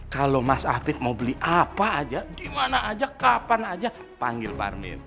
kalo mas afif mau beli apa aja dimana aja kapan aja panggil parmin